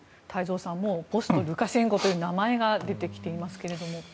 ポストルカシェンコという名前が出てきていますが。